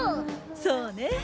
そうね。